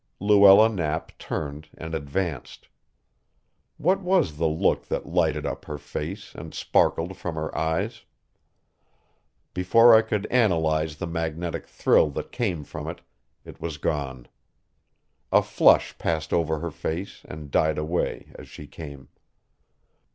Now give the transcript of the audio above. Luella Knapp turned and advanced. What was the look that lighted up her face and sparkled from her eyes? Before I could analyze the magnetic thrill that came from it, it was gone. A flush passed over her face and died away as she came.